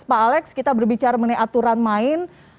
pak alex kita berbicara mengenai aturan main